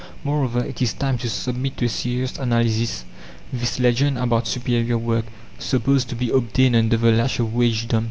Moreover, it is time to submit to a serious analysis this legend about superior work, supposed to be obtained under the lash of wagedom.